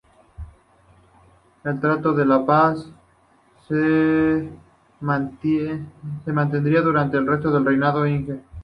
El tratado de paz se mantendría durante el resto del reinado de Inge.